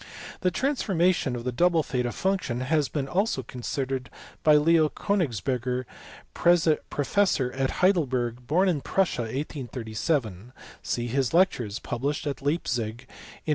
The transformation of the double theta function has been also considered by Leo Konigsberger, professor at Heidelberg, born in Prussia in 1837; see his lectures, published at Leipzig in 1874.